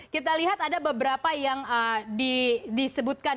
kita lihat ada beberapa yang disebutkan